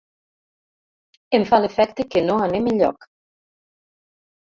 Em fa l'efecte que no anem enlloc.